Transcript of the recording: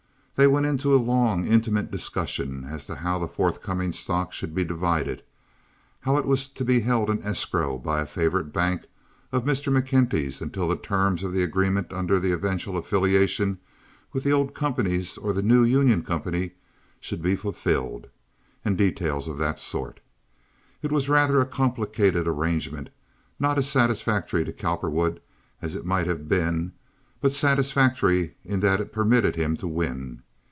They went into a long, intimate discussion as to how the forthcoming stock should be divided, how it was to be held in escrow by a favorite bank of Mr. McKenty's until the terms of the agreement under the eventual affiliation with the old companies or the new union company should be fulfilled, and details of that sort. It was rather a complicated arrangement, not as satisfactory to Cowperwood as it might have been, but satisfactory in that it permitted him to win.